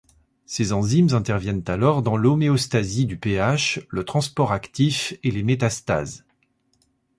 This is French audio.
Ces enzymes interviennent alors dans l'homéostasie du pH, le transport actif et les métastases.